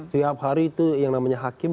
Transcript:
tiap hari itu yang namanya hakim